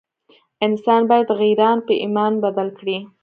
انسان باید غیران په ایمان بدل کړي.